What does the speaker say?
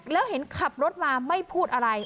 แล้วเห็นขับรถมาไม่พูดอะไร